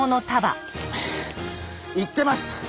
いってます！